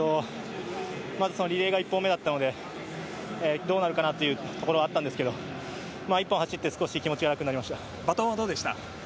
リレーが１本目だったのでどうなるかなというところはあったんですが１本走って少し気持ちが楽になりました。